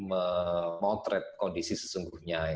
lebih baik dari kondisi yang sebelumnya